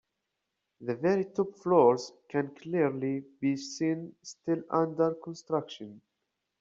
The very top floors can clearly be seen still under construction.